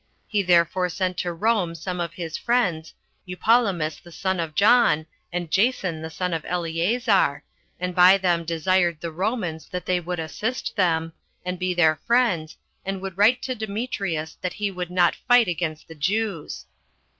He therefore sent to Rome some of his friends, Eupolemus the son of John, and Jason the son of Eleazar, and by them desired the Romans that they would assist them, and be their friends, and would write to Demetrius that he would not fight against the Jews.